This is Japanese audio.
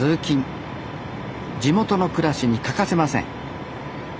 地元の暮らしに欠かせません